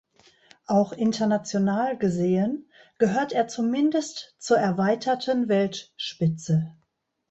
Auch international gesehen gehört er zumindest zur erweiterten Weltspitze.